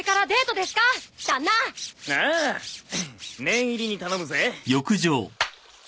念入りに頼むぜ。